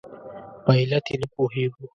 په علت یې نه پوهېږو.